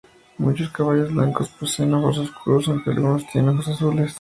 Muchos caballos blancos poseen ojos oscuros, aunque algunos tienen ojos azules.